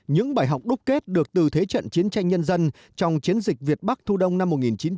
những bài học đúc kết được từ thế trận chiến tranh nhân dân trong chiến dịch việt bắc thu đông năm một nghìn chín trăm bảy mươi